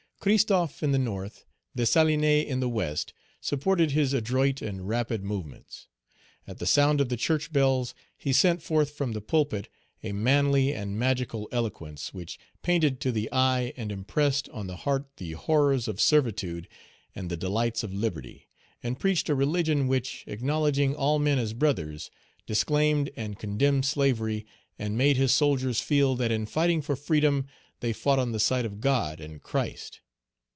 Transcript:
Christophe in the North Dessalines in the West, supported his adroit and rapid movements. At the sound of the church bells, he sent forth from the pulpit a manly and magical eloquence, which painted to the eye and impressed on the heart the horrors of servitude and the delights of liberty, and preached a religion which, acknowledging all men as brothers, disclaimed and condemned slavery, and made his soldiers feel that in fighting for freedom they fought on the side of God and Christ.